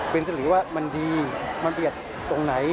เป็นสริวะมันดีมันเปรียบตรงไหน